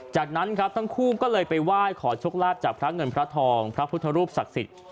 จากนั้นครับทั้งคู่ก็เลยไปไหว้ขอโชคลาภจากพระเงินพระทองพระพุทธรูปศักดิ์สิทธิ์